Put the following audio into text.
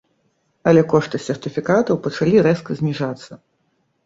Але кошты сертыфікатаў пачалі рэзка зніжацца.